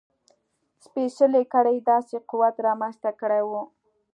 سپېڅلې کړۍ داسې قوت رامنځته کړی و.